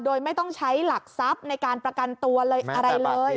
โดยไม่ต้องใช้หลักทรัพย์ในการประกันตัวอะไรเลย